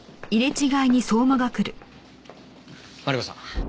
マリコさん